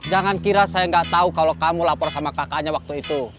jangan kira saya nggak tahu kalau kamu lapor sama kakaknya waktu itu